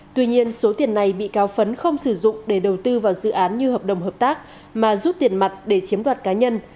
tuy nhiên số tiền này bị cáo phấn không sử dụng để đầu tư vào dự án như hợp đồng hợp tác mà rút tiền mặt để chiếm đoạt cá nhân